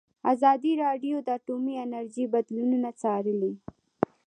ازادي راډیو د اټومي انرژي بدلونونه څارلي.